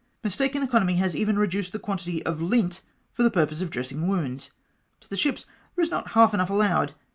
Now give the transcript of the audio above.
Mis taken economy has even reduced the quantity of lint for the purpose of dressing wounds. To the ships there is not half enough allowed.